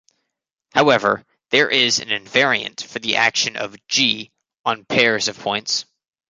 However, there is an invariant for the action of "G" on "pairs" of points.